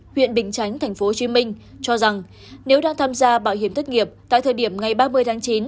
huyện bình chánh tp hcm cho rằng nếu đang tham gia bảo hiểm thất nghiệp tại thời điểm ngày ba mươi tháng chín